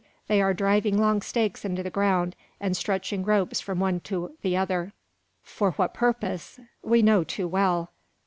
they are driving long stakes into the ground, and stretching ropes from one to the other. For what purpose? We know too well.